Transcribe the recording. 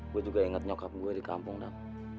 gue juga ingat nyokap gue di kampung dam